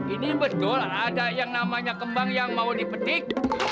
ini berjual ada yang namanya kembang yang mau dipetik